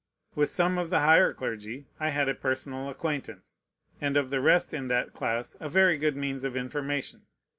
With some of the higher clergy I had a personal acquaintance, and of the rest in that class a very good means of information.